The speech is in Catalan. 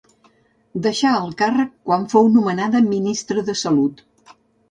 Deixà el càrrec quan fou nomenada Ministra de Salut.